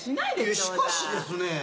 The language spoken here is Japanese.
いやしかしですね。